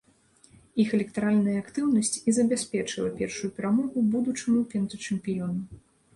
Іх электаральная актыўнасць і забяспечыла першую перамогу будучаму пентачэмпіёну.